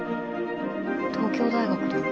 東京大学と。